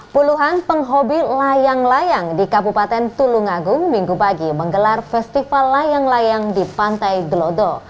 puluhan penghobi layang layang di kabupaten tulungagung minggu pagi menggelar festival layang layang di pantai gelodo